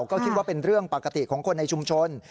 ก็คิดว่าเป็นเรื่องปกติของคนในชุมชน